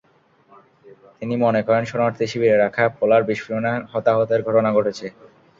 তিনি মনে করেন, শরণার্থী শিবিরে রাখা গোলার বিস্ফোরণে হতাহতের ঘটনা ঘটেছে।